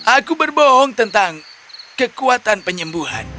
aku berbohong tentang kekuatan penyembuhan